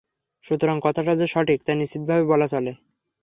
সুতরাং কথাটা যে সঠিক, তা নিশ্চিতভাবে বলা চলে।